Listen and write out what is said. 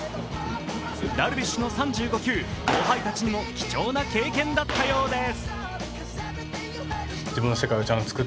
ダルビッシュの３５球、後輩たちにも貴重な経験だったようです。